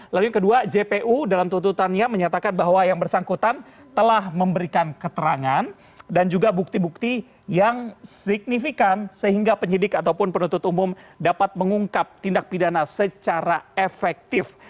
lalu yang kedua jpu dalam tuntutannya menyatakan bahwa yang bersangkutan telah memberikan keterangan dan juga bukti bukti yang signifikan sehingga penyidik ataupun penuntut umum dapat mengungkap tindak pidana secara efektif